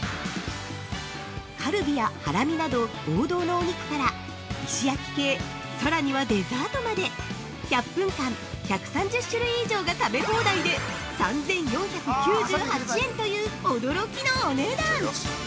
カルビやハラミなど王道のお肉から石焼系、さらにはデザートまで１００分間、１３０種類以上が食べ放題で３４９８円という驚きのお値段！